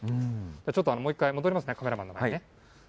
ちょっともう１回戻りますね、カメラマンの前にね。